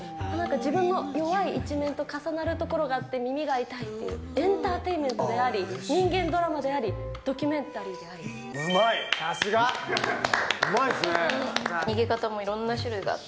自分の弱い一面と重なるところがあって、耳が痛いっていう、エンターテインメントであり、人間ドラマであり、うまい、さすが。逃げ方もいろんな種類があって。